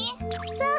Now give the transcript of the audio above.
そう。